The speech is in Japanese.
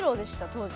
当時。